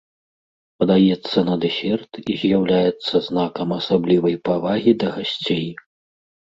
Падаецца на дэсерт і з'яўляецца знакам асаблівай павагі да гасцей.